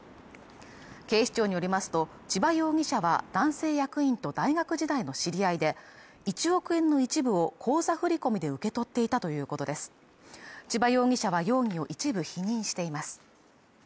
警視庁によりますと千葉容疑者は男性役員と大学時代の知り合いで１億円の一部を口座振り込みで受け取っていたということです千葉容疑者は容疑を一部否認しています